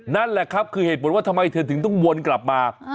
นั่นแหละครับคือเหตุผลว่าทำไมเธอถึงต้องวนกลับมา